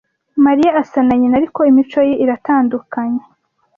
Mariya asa na nyina, ariko imico ye iratandukanye.